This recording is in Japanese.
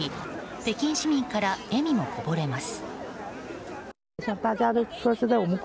北京市民から笑みもこぼれます。